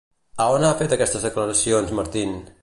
A on ha fet aquestes declaracions Martín?